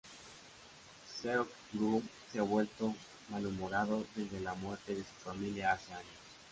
Seok-gu se ha vuelto malhumorado desde la muerte de su familia hace años.